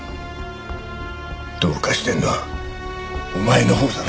どうかしてんのはお前のほうだろ！